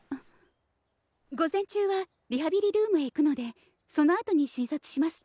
午前中はリハビリルームへ行くのでそのあとに診察します。